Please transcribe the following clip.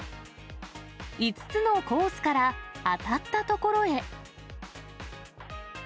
５つのコースから当たった所へ。